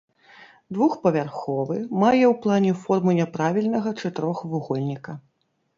Двухпавярховы, мае ў плане форму няправільнага чатырохвугольніка.